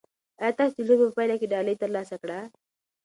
ایا تاسي د لوبې په پایله کې ډالۍ ترلاسه کړه؟